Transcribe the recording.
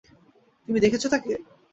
তুমি দেখেছো তাকে?